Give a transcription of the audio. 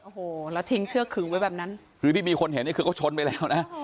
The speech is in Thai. โอ้โหแล้วทิ้งเชือกขึงไว้แบบนั้นคือที่มีคนเห็นนี่คือเขาชนไปแล้วนะ